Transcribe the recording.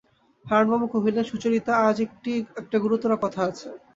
হারানবাবু কহিলেন, সুচরিতা, আজ একটা গুরুতর কথা আছে।